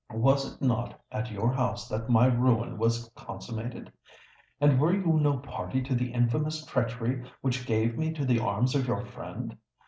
Was it not at your house that my ruin was consummated? and were you no party to the infamous treachery which gave me to the arms of your friend?